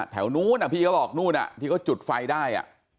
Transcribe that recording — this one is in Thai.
แถวนู้นพี่เขาบอกที่ก็จุดไฟได้